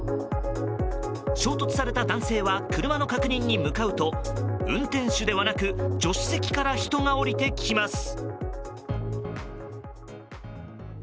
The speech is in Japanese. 衝突された男性は車の確認に向かうと運転手ではなく助手席から人が降りてきます。